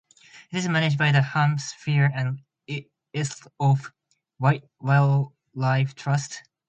It is managed by the Hampshire and Isle of Wight Wildlife Trust.